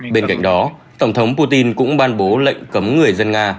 bên cạnh đó tổng thống putin cũng ban bố lệnh cấm người dân nga